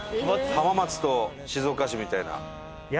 浜松と静岡市みたいな。